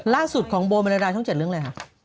ล่าสุดของโบเมลดายช่อง๗เรื่องอะไรคะ